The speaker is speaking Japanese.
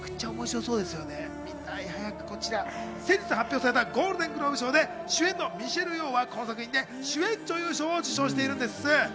先日発表されたゴールデングローブ賞で主演のミシェル・ヨーはこの作品で主演女優賞を受賞しているんです。